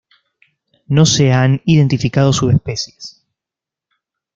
No se han identificado subespecies.